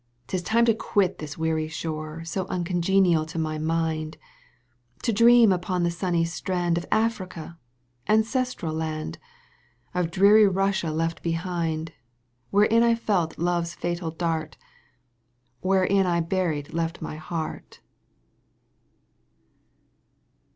'ffis time to quit this weary shore So uncongenial to my mind, To dream upon the sunny strand Of Africa^ ancestral land,*^ Of dreary Eussia left behind, Wherein I felt love's fatal dart. Wherein I buried left my heart.